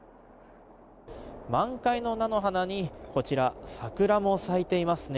満開の菜の花にこちら、桜も咲いていますね。